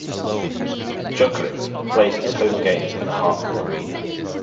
Jokerit plays its home games at the Hartwall Arena.